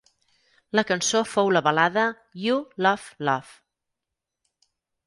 La cançó fou la balada "You Love Love".